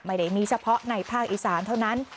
ไม่ได้มีเฉพาะในภาคอีสานเท่านั้น